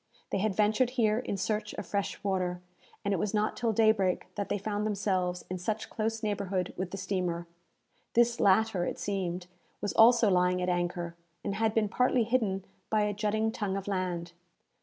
They had ventured here in search of fresh water, and it was not till daybreak that they found themselves in such close neighbourhood with the steamer. This latter, it seemed, was also lying at anchor, and had been partly hidden by a jutting tongue of land.